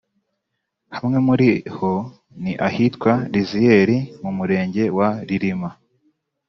Hamwe muri ho ni ahitwa Riziyeri mu Murenge wa Rilima